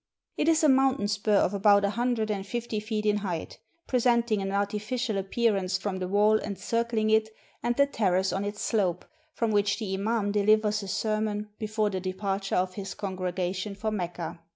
It is a mountain spur of about a hundred and j5fty feet in height, pre senting an artificial appearance from the wall encircling it and the terrace on its slope, from which the iman delivers a sermon before the departure of his congrega tion for Mecca.